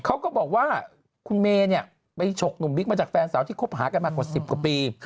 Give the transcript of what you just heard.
เขาก็บอกว่าคุณเมย์เนี่ยไปฉกหนุ่มบิ๊กมาจากแฟนสาวที่คบหากันมากว่า๑๐กว่าปี